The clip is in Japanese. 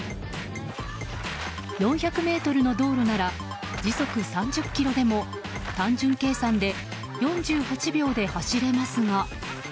４００ｍの道路なら時速３０キロでも単純計算で４８秒で走れますが。